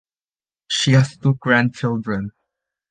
She has two grandchildren.